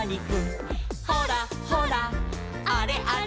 「ほらほらあれあれ」